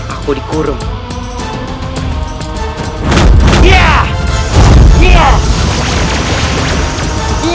aku sudah selesai